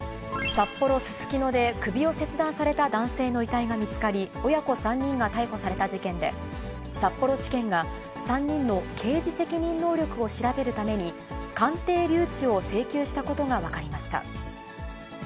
札幌・すすきので首を切断された男性の遺体が見つかり、親子３人が逮捕された事件で、札幌地検が３人の刑事責任能力を調べるために、鑑定留置を請求したことが分かりました。